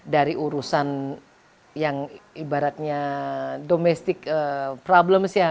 dari urusan yang ibaratnya domestic problems ya